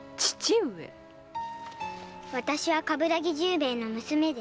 私は鏑木十兵衛の娘です。